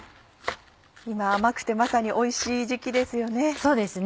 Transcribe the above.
今甘くてまさにおいしい時期ですよね。